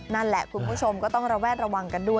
นั่นแหละคุณผู้ชมก็ต้องระแวดระวังกันด้วย